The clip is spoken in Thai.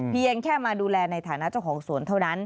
เพียงแค่มาดูแลในฐานะเจ้าของสวนเท่านั้น